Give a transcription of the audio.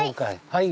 はい。